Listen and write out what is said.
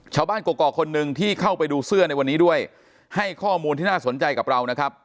กรกคนหนึ่งที่เข้าไปดูเสื้อในวันนี้ด้วยให้ข้อมูลที่น่าสนใจกับเรานะครับ